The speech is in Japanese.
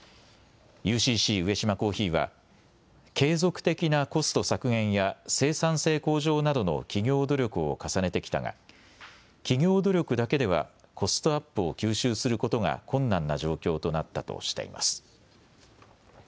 ＵＣＣ上島珈琲は継続的なコスト削減や生産性向上などの企業努力を重ねてきたが企業努力だけではコストアップを吸収することが困難な状況となったとしています。